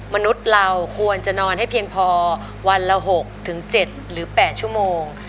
มนุษย์เราควรจะนอนให้เพียงพอวันละ๖๗หรือ๘ชั่วโมง